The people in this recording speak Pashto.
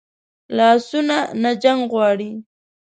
لاسونه نه جنګ غواړي